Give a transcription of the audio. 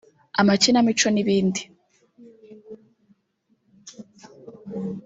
amakinamico n’ibindi